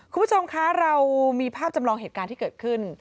คุณผู้ชมคะเรามีภาพจำลองเหตุการณ์ที่เกิดขึ้น